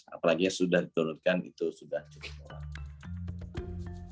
apalagi sudah diturunkan itu sudah cukup lama